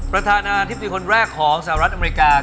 ประธานาธิบดีคนแรกของสหรัฐอเมริกา